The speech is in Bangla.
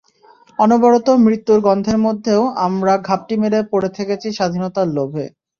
অনবরত মৃত্যুর গন্ধের মধ্যেও আমরা ঘাপটি মেরে পড়ে থেকেছি স্বাধীনতার লোভে।